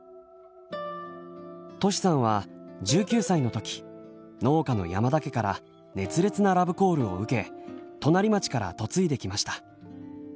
としさんは１９歳の時農家の山田家から熱烈なラブコールを受け隣町から嫁いできました。